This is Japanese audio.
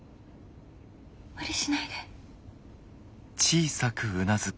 無理しないで。